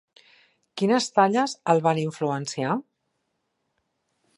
Quines talles el van influenciar?